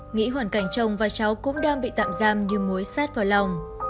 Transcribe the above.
nghĩ hoàn cảnh chồng và cháu cũng đang bị tạm giam như mối sát vào lòng